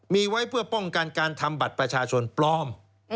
มีไว้เพื่อป้องกันการทำบัตรประชาชนปลอม